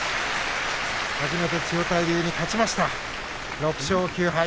初めて千代大龍に勝ちました６勝９敗。